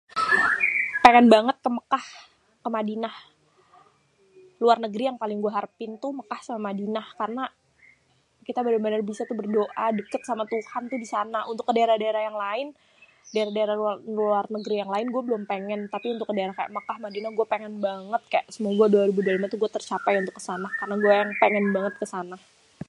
Pengen banget ke Mekah, ke Madinah, luar negeri yang paling gua arepin tuh Madinah karena kita bener-bener bisa tu berdoa deket sama Tuhan tu di sana untuk ke daerah-daerah yang lain, daerah-daerah luar negeri yang laén gua belum pengen, tapi ke daerah kayak Mekah Madinah gua pengen banget kayak semoga dua ribu dua puluh lima gua tercapai ke sana karena gua yang pengen banget ke sana.